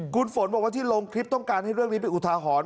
คุณฝนบอกว่าที่ลงคลิปต้องการให้เรื่องนี้เป็นอุทาหรณ์